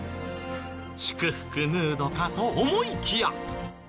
祝福ムードかと思いきや。